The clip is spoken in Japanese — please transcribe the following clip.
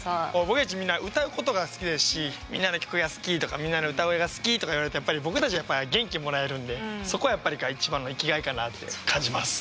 僕たちみんな歌うことが好きですしみんなの曲が好きとかみんなの歌声が好きとか言われるとやっぱり僕たちやっぱり元気もらえるんでそこがやっぱり一番の生きがいかなって感じます。